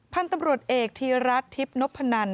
พันธุ์ตำรวจเอกธีรัฐทิพย์นพนัน